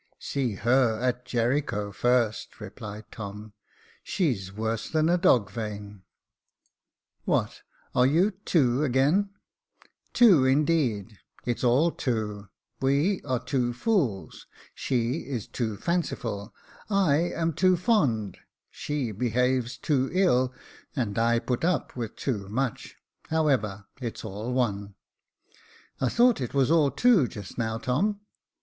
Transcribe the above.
'• See y?>^r at Jericho first," replied Tom ; "she's worse than a dog vane." " What, are you tiuo again ?"" Two indeed — it's all two — we are two fools. She is too fanciful; I am too fond; she behaves too ill, and I put up with too much. However, it's all o«^." " I thought it was all tiuo just now, Tom."